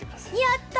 やった！